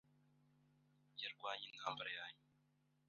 Yarwanye intambara yanyuma.